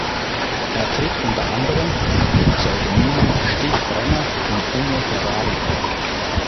Er tritt unter anderem mit den Pseudonymen Stig Brenner und Unge Ferrari auf.